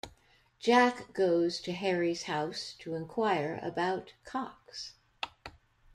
Jack goes to Harry's house to inquire about Cox.